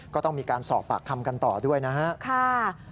ก็ต้องมีการสอบปากคำกันต่อด้วยนะครับ